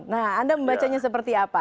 nah anda membacanya seperti apa